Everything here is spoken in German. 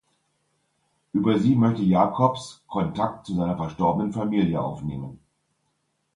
Über sie möchte Jacobs Kontakt zu seiner verstorbenen Familie aufnehmen.